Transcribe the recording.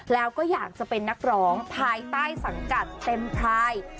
แล้วก็อยากจะเป็นนักร้องภายใต้สังกัดเต็มพลาย